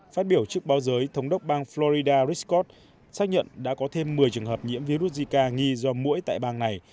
phát biểu chức báo giới thống đốc bang florida rick scott xác nhận đã có thêm một mươi trường hợp nhiễm virus zika nghi do mũi tại bang này